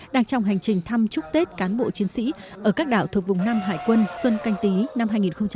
đang trong hành trình thăm chúc tết cán bộ chiến sĩ ở các đảo thuộc vùng nam hải quân xuân canh tí năm hai nghìn hai mươi